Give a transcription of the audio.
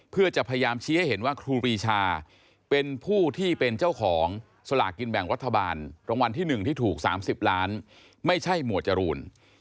เพื่อจะพยายามชี้ให้เห็นว่าครูปรีชาเป็นผู้ที่เป็นเจ้าของสลากกินแบ่งรัฐบาลรางวัลที่๑ที่ถูก๓๐ล้านไม่ใช่หมวดจรูน